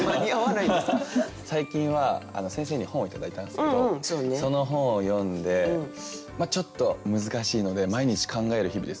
最近は先生に本を頂いたんすけどその本を読んでちょっと難しいので毎日考える日々です。